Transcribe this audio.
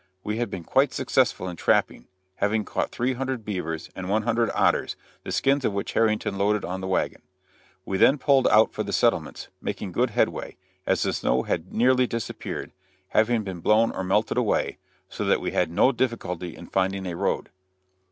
We had been quite successful in trapping, having caught three hundred beavers and one hundred otters, the skins of which Harrington loaded on the wagon. We then pulled out for the settlements, making good headway, as the snow had nearly disappeared, having been blown or melted away, so that we had no difficulty in finding a road.